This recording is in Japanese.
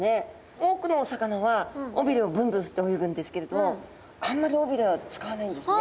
多くのお魚は尾びれをブンブン振って泳ぐんですけれどあんまり尾びれは使わないんですね。